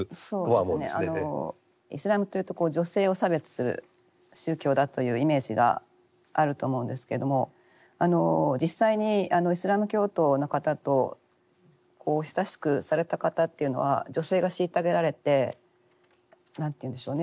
イスラムというと女性を差別する宗教だというイメージがあると思うんですけども実際にイスラム教徒の方と親しくされた方っていうのは女性が虐げられて何て言うんでしょうね